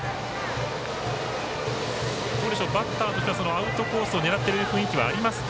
バッターとしてはアウトコースを狙っている雰囲気はありますか。